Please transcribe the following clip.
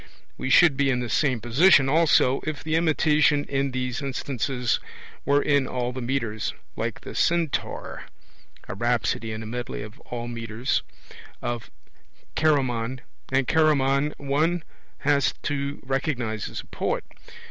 We should be in the same position also, if the imitation in these instances were in all the metres, like the Centaur (a rhapsody in a medley of all metres) of Chaeremon; and Chaeremon one has to recognize as a poet.